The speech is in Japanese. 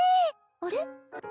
あれ？